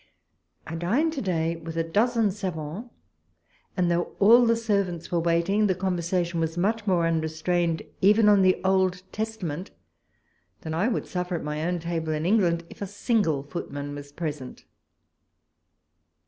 I dined to day with a dozen savans, and though all the servants were waiting, the conversation was much more unrestrained, even on the Old Testament, than I would suffer at my own table in England, if a single footman was present.